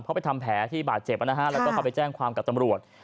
เพราะไปทำแผลที่บาดเจ็บแล้วก็ไปแจ้งความกับตำรวจ